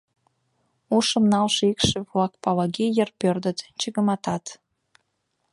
Ушым налше икшыве-влак Палаги йыр пӧрдыт, чыгыматат.